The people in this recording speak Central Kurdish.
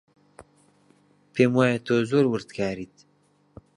پێم وایە تۆ زۆر وردکاریت.